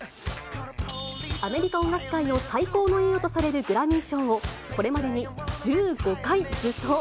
アメリカ音楽界の最高の栄誉とされるグラミー賞を、これまでに１５回受賞。